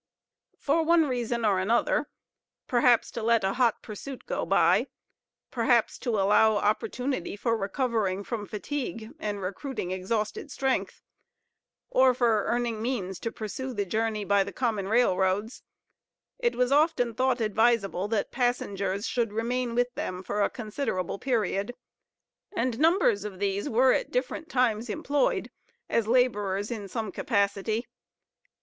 For one reason or another, perhaps to let a hot pursuit go by; perhaps to allow opportunity for recovering from fatigue and recruiting exhausted strength, or for earning means to pursue the journey by the common railroads, it was often thought advisable that passengers should remain with them for a considerable period; and numbers of these were, at different times, employed as laborers in some capacity.